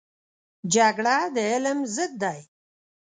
جګړه د علم ضد دی